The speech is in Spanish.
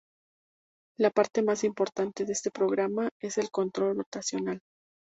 La parte más importante de este programa es el control rotacional.